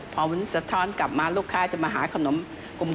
พอมันสะท้อนกลับมาลูกค้าจะมาหาขนมกลุ่ม